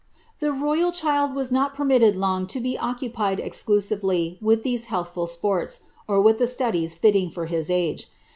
The royal child was not permitted long to be occupied esclusirely with these healthful sports, or wiih the studies fitting for his age.